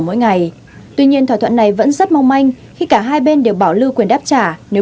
mỗi ngày tuy nhiên thỏa thuận này vẫn rất mong manh khi cả hai bên đều bảo lưu quyền đáp trả nếu